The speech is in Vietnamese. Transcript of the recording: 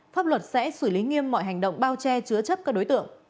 pháp luật sẽ xử lý nghiêm mọi hành động bao che chứa chấp các đối tượng